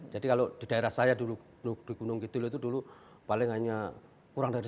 jadi kalau di daerah saya dulu di gunung gitu dulu paling hanya kurang dari sepuluh